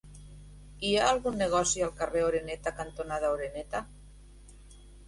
Hi ha algun negoci al carrer Oreneta cantonada Oreneta?